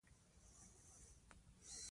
د پیسو لپاره خپل عزت مه پلورئ.